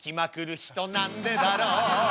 「なんでだろう」